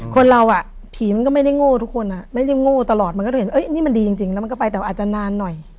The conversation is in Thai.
คนเราอ่ะผีมันก็ไม่ได้โง่ทุกคนไม่ได้โง่ตลอดมันก็จะเห็นนี่มันดีจริงแล้วมันก็ไปแต่อาจจะนานหน่อย